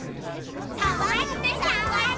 「さわってさわって」